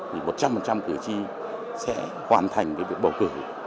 thì một trăm linh cử tri sẽ hoàn thành cái việc bầu cử